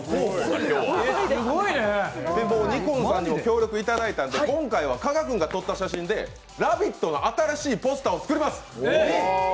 ニコンさんにも協力いただいんで加賀君が撮った写真で「ラヴィット！」の新しいポスターを作ります！